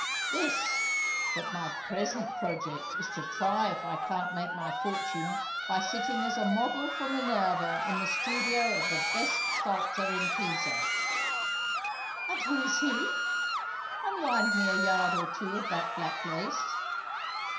"This that my present project is to try if I can't make my fortune by sitting as a model for Minerva in the studio of the best sculptor in Pisa." "And who is he! (Unwind me a yard or two of that black lace.)"